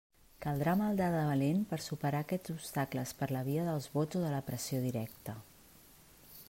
Caldrà maldar de valent per superar aquests obstacles per la via dels vots o de la pressió directa.